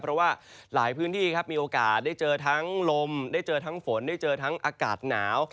เพราะว่าหลายพื้นที่ครับมีโอกาสได้เจอทั้งลมได้เจอทั้งฝนได้เจอทั้งอากาศหนาว